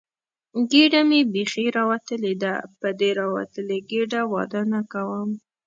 ګېډه مې بیخي راوتلې ده، په دې راوتلې ګېډې واده نه کوم.